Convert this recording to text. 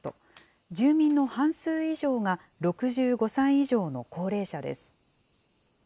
住民の半数以上が６５歳以上の高齢者です。